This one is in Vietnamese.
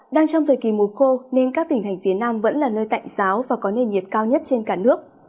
đang trong thời kỳ mùa khô nên các tỉnh thành phía nam vẫn là nơi tạnh giáo và có nền nhiệt cao nhất trên cả nước